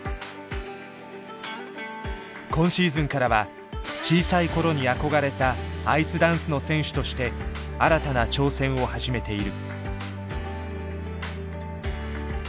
今シーズンからは小さい頃に憧れたアイスダンスの選手として新たな挑戦を始めている。